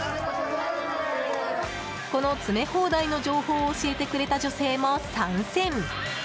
この詰め放題の情報を教えてくれた女性も参戦。